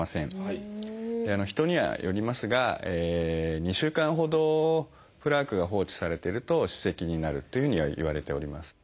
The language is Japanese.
人にはよりますが２週間ほどプラークが放置されてると歯石になるというふうにはいわれております。